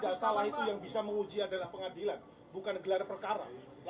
tidak salah itu yang bisa menguji adalah pengadilan bukan gelar perkara